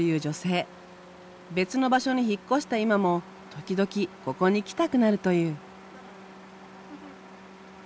別の場所に引っ越した今も時々ここに来たくなるという。